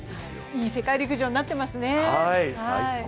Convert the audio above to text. いい世界陸上になっていますね。